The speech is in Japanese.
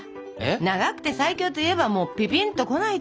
「長くて最強」といえばピピンとこないと！